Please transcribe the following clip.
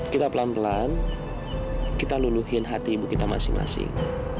kita pelan pelan kita luluhin hati ibu kita masing masing